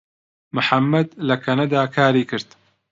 محەممەد لە کەنەدا کاری کرد.